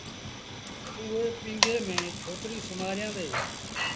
اُئي پيٚگي ميݩ ڇوڪريٚ سُومآريآندي۔